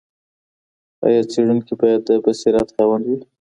ایا څېړونکی باید د بصیرت خاوند وي؟